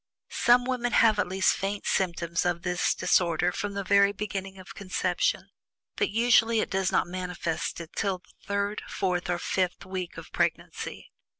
Some women have at least faint symptoms of this disorder from the very beginning of conception, but usually it does not manifest until the third, fourth, or fifth week of pregnancy.